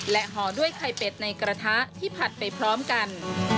ห่อด้วยไข่เป็ดในกระทะที่ผัดไปพร้อมกัน